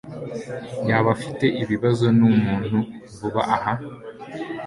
yaba afite ibibazo numuntu vuba aha?